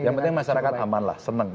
yang penting masyarakat amanlah senang